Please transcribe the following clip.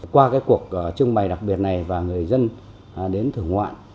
qua cuộc trưng bày đặc biệt này và người dân đến thưởng ngoạn